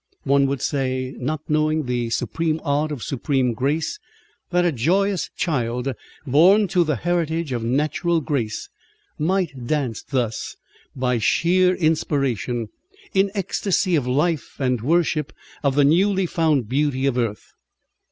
One would say not knowing the supreme art of supreme grace that a joyous child, born to the heritage of natural grace, might dance thus by sheer inspiration, in ecstasy of life and worship of the newly felt beauty of earth.